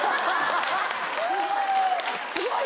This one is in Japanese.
すごい。